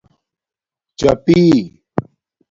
چپَی